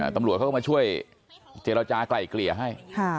ตำรวจเขาก็มาช่วยเจรจากลายเกลี่ยให้